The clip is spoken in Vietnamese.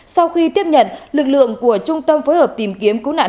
sau khi tiếp nhận lực lượng của trung tâm phối hợp tìm kiếm cứu nạn